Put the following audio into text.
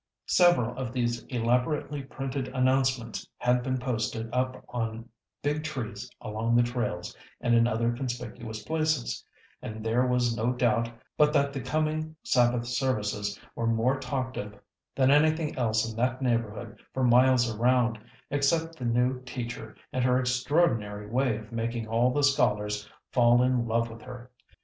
'" Several of these elaborately printed announcements had been posted up on big trees along the trails, and in other conspicuous places, and there was no doubt but that the coming Sabbath services were more talked of than anything else in that neighborhood for miles around, except the new teacher and her extraordinary way of making all the scholars fall in love with her.